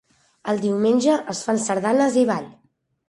El diumenge es fan sardanes i ball.